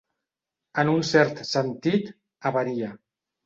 En un cert sentit, avaria.